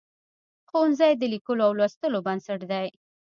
ښوونځی د لیکلو او لوستلو بنسټ دی.